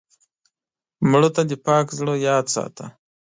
مړه ته د پاک زړه یاد ساته